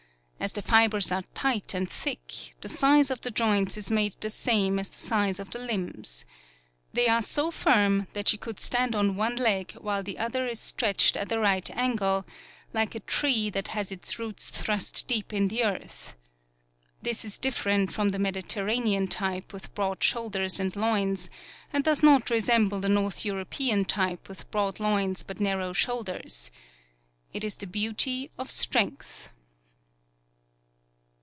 As the fibers are tight and thick, the size of the joints is made the same as the size of the limbs. They are so firm that she could stand on one leg while the other is stretched at a right angle, like a tree that has its roots thrust deep in the earth. This is different from the Mediterranean type with broad shoul ders and loins, and does not resemble the North European type with broad loins, but narrow shoulders* It is the beauty of strength."